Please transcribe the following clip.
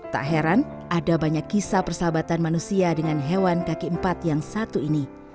tak heran ada banyak kisah persahabatan manusia dengan hewan kaki empat yang satu ini